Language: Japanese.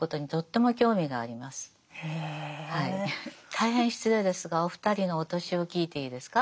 大変失礼ですがお二人のお年を聞いていいですか？